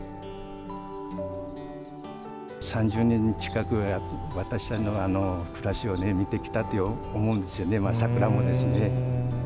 ３０年近く、私らの暮らしを見てきたって思うんですよね、桜もですね。